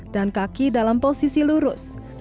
dan kaki dalam posisi lurus